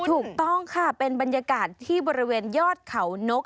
ถูกต้องค่ะเป็นบรรยากาศที่บริเวณยอดเขานก